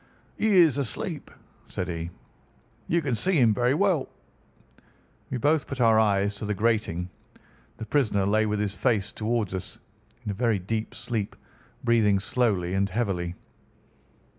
"He is asleep," said he. "You can see him very well." We both put our eyes to the grating. The prisoner lay with his face towards us, in a very deep sleep, breathing slowly and heavily.